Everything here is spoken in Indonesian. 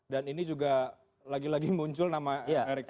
dan ini juga lagi lagi muncul nama erick thohir yudi latif